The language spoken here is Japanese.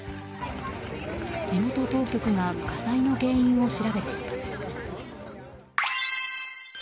地元当局が火災の原因を調べています。